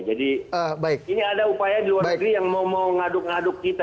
jadi ini ada upaya di luar negeri yang mau ngaduk ngaduk kita